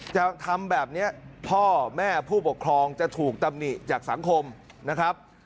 จะทำแบบนี้พ่อแม่ผู้ปกครองจะถูกตำหนิจากสังคมนะครับ